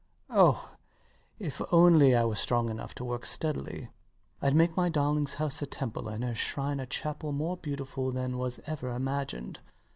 Oh, if only I were strong enough to work steadily, I'd make my darling's house a temple, and her shrine a chapel more beautiful than was ever imagined.